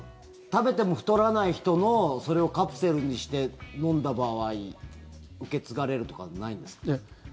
食べても太らない人のそれをカプセルにして飲んだ場合受け継がれるとかないんですか？